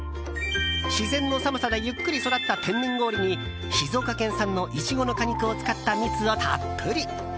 自然の寒さでゆっくり育った天然氷に静岡県産のイチゴの果肉を使った蜜をたっぷり！